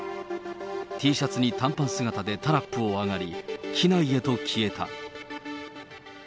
Ｔシャツに短パン姿でタラップを上がり、機内へと消えた。